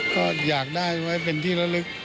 ก็อยากได้ไว้เป็นที่ละลึก